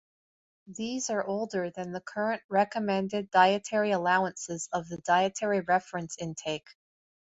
These are older than the current Recommended Dietary Allowances of the Dietary Reference Intake.